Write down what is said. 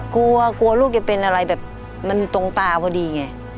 กลัวกลัวลูกจะเป็นอะไรแบบมันตรงตาพอดีไง